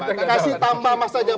terima kasih tambah mas jokowi